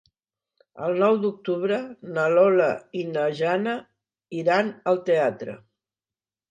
El nou d'octubre na Lola i na Jana iran al teatre.